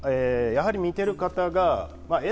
やはり見ている方が、え？